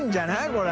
これ。